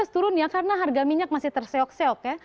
dua ribu enam belas turun karena harga minyak masih terseok seok